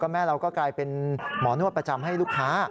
แม่เราก็กลายเป็นหมอนวดประจำให้ลูกค้า